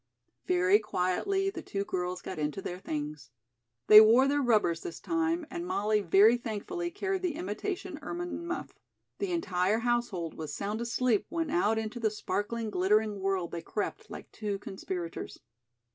Very quietly the two girls got into their things. They wore their rubbers this time, and Molly very thankfully carried the imitation ermine muff. The entire household was sound asleep when out into the sparkling, glittering world they crept like two conspirators.